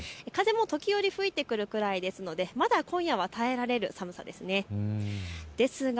風も時折、吹いてくるくらいですのでまだ今夜は耐えられる寒さです。